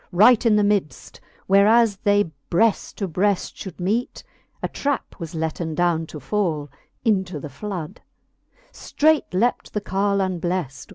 Right in the midft, where as they breft to breft Should meete, a trap was letten down to fall Into the floud : ftreight leapt the Carle unbleft.